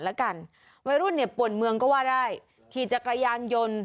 แล้วกันวัยรุ่นเนี่ยป่วนเมืองก็ว่าได้ขี่จักรยานยนต์